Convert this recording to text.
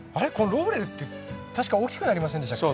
ローレルって確か大きくなりませんでしたっけ？